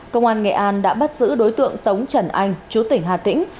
công an nghệ an đã bắt giữ đối tượng tống trần anh chú tỉnh hà tĩnh